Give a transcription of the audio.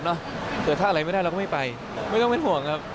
เกิดถ้าอะไรไม่ได้เราก็ไม่ไปไม่ต้องเป็นห่วงครับ